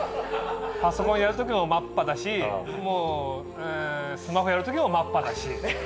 パソコンやる時も真っ裸だしスマホやる時も真っ裸だし。